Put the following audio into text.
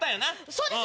そうです。